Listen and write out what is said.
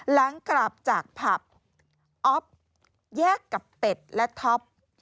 หลังกลับจากผับอ๊อฟแยกกับเป็ดและท็อป